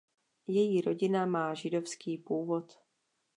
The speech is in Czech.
Její rodina má židovský původ.